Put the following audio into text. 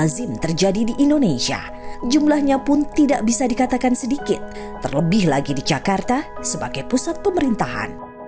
dibanfaatkan oleh makhluk kripto jawa